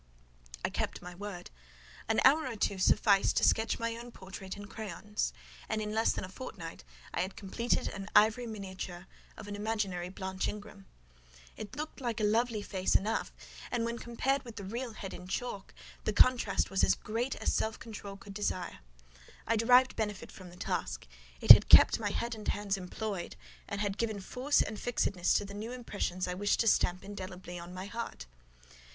I kept my word. An hour or two sufficed to sketch my own portrait in crayons; and in less than a fortnight I had completed an ivory miniature of an imaginary Blanche Ingram. It looked a lovely face enough, and when compared with the real head in chalk, the contrast was as great as self control could desire. I derived benefit from the task: it had kept my head and hands employed, and had given force and fixedness to the new impressions I wished to stamp indelibly on my heart.